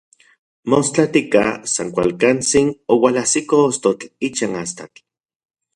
Mostlatika, san kualkantsin oualajsiko ostotl ichan astatl.